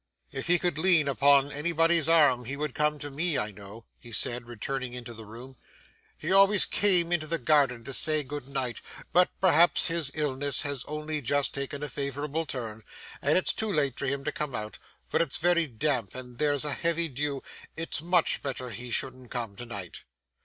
'If he could lean upon anybody's arm, he would come to me, I know,' he said, returning into the room. 'He always came into the garden to say good night. But perhaps his illness has only just taken a favourable turn, and it's too late for him to come out, for it's very damp and there's a heavy dew. It's much better he shouldn't come to night.